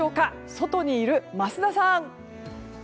外にいる桝田さん！